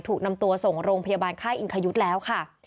ถูกนำตัวส่งโรงพยาบาลค่ายอิงคยุทธ์แล้วค่ะ